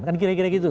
kan kira kira gitu